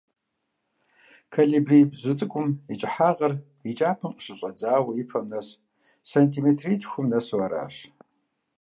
Колибри бзу цIыкIум и кIыхьагъыр и кIапэм къыщыщIэдзауэ и пэм нэс сэнтиметритхум нэсу аращ.